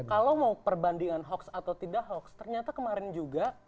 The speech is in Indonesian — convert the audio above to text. kalau mau perbandingan hoax atau tidak hoax ternyata kemarin juga